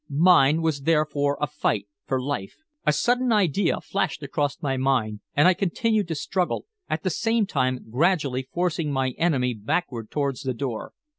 Mine was therefore a fight for life. A sudden idea flashed across my mind, and I continued to struggle, at the same time gradually forcing my enemy backward towards the door.